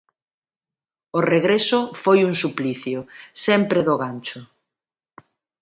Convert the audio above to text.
O regreso foi un suplicio, sempre do gancho.